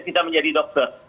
bisa menjadi dokter